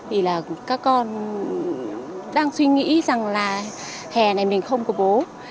vì là các con đang suy nghĩ rằng là hè này mình không có bố